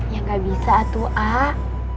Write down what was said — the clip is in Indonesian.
ya gak bisa tuh ah